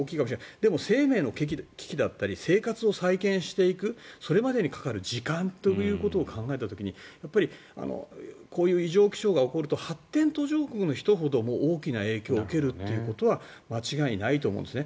でも、生命の危機だったり生活を再建していくそれまでにかかる時間ということを考えた時にやっぱりこういう異常気象が起こると発展途上国の人ほど大きな影響を受けるということは間違いないと思うんですね。